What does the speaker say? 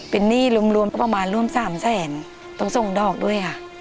เป็นนี่รวมประมาณร่วม๓๐๐๐บาทต้องส่งดอกด้วยครับ